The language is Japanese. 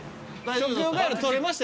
食用ガエルとれましたよね？